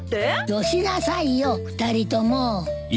よしなさいよ２人とも。